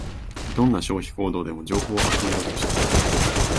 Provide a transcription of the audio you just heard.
どんな消費行動でも情報を集めようとしてくる